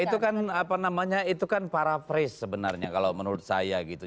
ya itu kan apa namanya itu kan paraphrase sebenarnya kalau menurut saya gitu